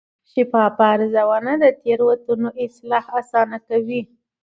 شفاف ارزونه د تېروتنو اصلاح اسانه کوي.